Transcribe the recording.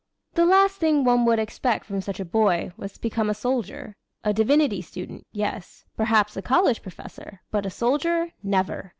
The last thing one would expect from such a boy, was to become a soldier. A divinity student, yes, perhaps a college professor but a soldier, never!